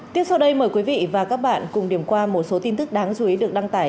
tiếp sau đây mời quý vị và các bạn cùng điểm qua một số tin tức đáng chú ý được đăng tải